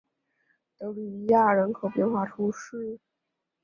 德吕伊亚人口变化图示